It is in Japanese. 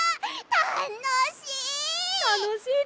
たのしい！